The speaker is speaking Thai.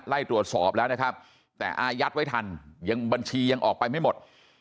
ไล่ตรวจสอบแล้วนะครับแต่อายัดไว้ทันยังบัญชียังออกไปไม่หมด